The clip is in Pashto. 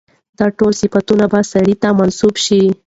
دا ټول صفتونه به سړي ته منسوب شي.